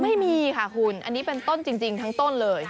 ไม่มีค่ะคุณอันนี้เป็นต้นจริงทั้งต้นเลย